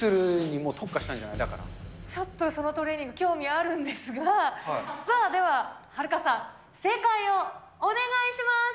ちょっとそのトレーニング、興味あるんですが、さあでは、ハルカさん、正解をお願いします。